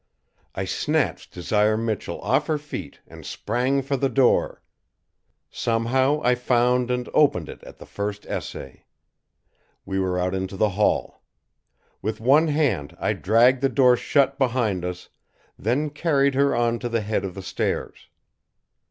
I snatched Desire Michell off her feet and sprang for the door. Somehow I found and opened it at the first essay. We were out into the hall. With one hand I dragged the door shut behind us, then carried her on to the head of the stairs.